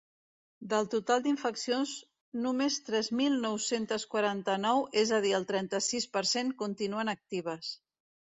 Del total d’infeccions només tres mil nou-cents quaranta-nou, és a dir el trenta-sis per cent, continuen actives.